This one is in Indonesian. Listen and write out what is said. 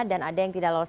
dan ada yang tidak lolos